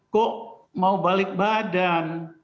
kok mau balik badan